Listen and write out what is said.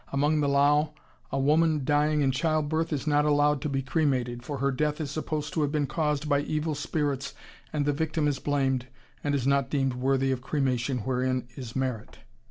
Among the Lao a woman dying in childbirth is not allowed to be cremated, for her death is supposed to have been caused by evil spirits and the victim is blamed and is not deemed worthy of cremation wherein is merit.